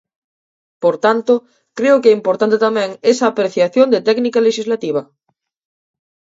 Por tanto, creo que é importante tamén esa apreciación de técnica lexislativa.